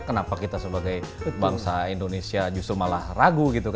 kenapa kita sebagai bangsa indonesia justru malah ragu gitu